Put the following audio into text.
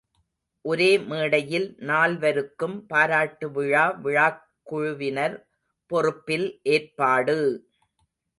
ஒரே மேடையில் நால்வருக்கும் பாராட்டுவிழா விழாக் குழுவினர் பொறுப்பில் ஏற்பாடு!